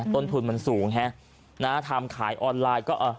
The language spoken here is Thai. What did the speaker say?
ต้นทุนมันสูงฮะนะทำขายออนไลน์ก็